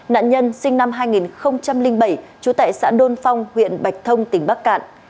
nạn nhân sinh năm hai nghìn bảy trú tại xã đôn phong huyện bạch thông tỉnh bắc cạn